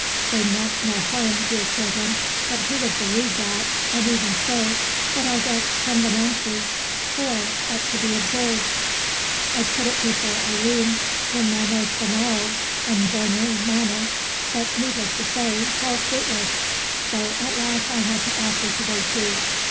They meant no harm, dear children, but who would believe that, and even so, what are the convenances for but to be observed? I put it before Eileen in my most banal and borné manner, but, needless to say, how fruitless! So at last I had to offer to go too.